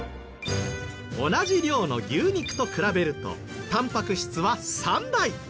同じ量の牛肉と比べるとタンパク質は３倍。